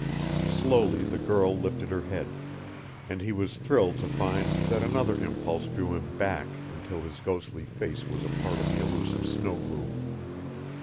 Slowly the girl lifted her head, and he was thrilled to find that another impulse drew him back until his ghostly face was a part of the elusive snow gloom.